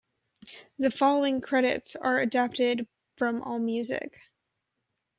The following credits are adapted from AllMusic.